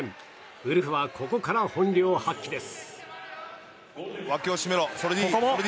ウルフはここから本領発揮です。